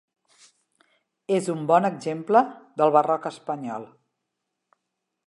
És un bon exemple del barroc espanyol.